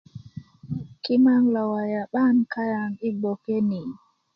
kimaŋ lo waya 'ban kaŋ i bgoke ni